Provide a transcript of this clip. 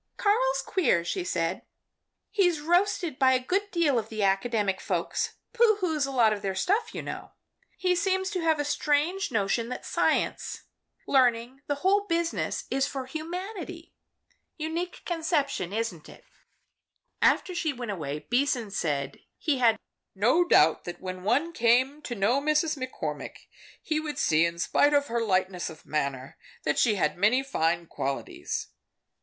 "Karl's queer," she said. "He's roasted a good deal by the academic folks pooh hoos a lot of their stuff, you know. He seems to have a strange notion that science, learning, the whole business is for humanity. Unique conception, isn't it?" After she went away, Beason said he had no doubt that when one came to know Miss McCormick, he would see, in spite of her lightness of manner, that she had many fine qualities.